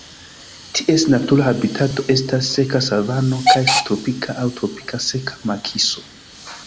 Ties natura habitato estas seka savano kaj subtropika aŭ tropika seka makiso.